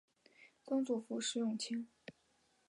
曾祖父石永清。